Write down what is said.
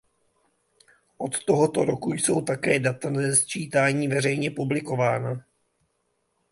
Od tohoto roku jsou také data ze sčítání veřejně publikována.